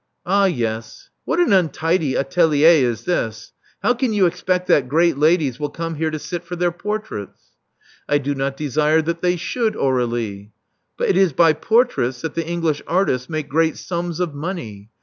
Ah yes. What an untidy atelier is this! How can you expect that great ladies will come here to sit for their portraits?" I do not desire that they should, Aur^lie." But it is by portraits that the English artists make great sums of money.